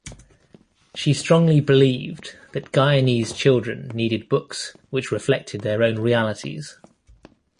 She strongly believed that Guyanese children needed books which reflected their own realities.